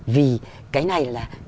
vì cái này là